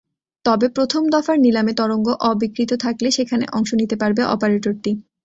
তবে প্রথম দফার নিলামে তরঙ্গ অবিক্রীত থাকলে সেখানে অংশ নিতে পারবে অপারেটরটি।